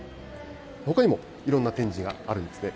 ほかにも、いろんな展示があるんですね。